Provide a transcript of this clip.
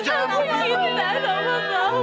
jangan tinggalin aku